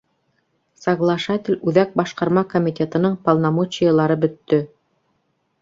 Соглашатель Үҙәк Башҡарма Комитетының полномочиелары бөттө.